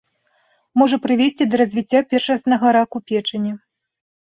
Можа прывесці да развіцця першаснага раку печані.